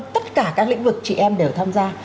tất cả các lĩnh vực chị em đều tham gia